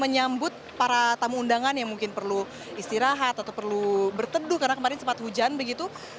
menyambut para tamu undangan yang mungkin perlu istirahat atau perlu berteduh karena kemarin sempat hujan begitu